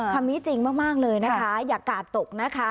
คำนี้จริงมากเลยนะคะอย่ากาดตกนะคะ